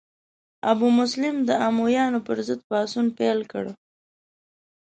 ابو مسلم د امویانو پر ضد پاڅون پیل کړ.